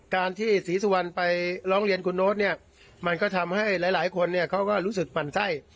การที่ศรีสุวรรณไปร้องเรียนคุณโน๊ตเนี่ยมันก็ทำให้หลายคนเนี่ยเขาก็รู้สึกหมั่นไส้